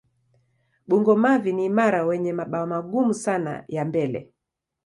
Bungo-mavi ni imara wenye mabawa magumu sana ya mbele.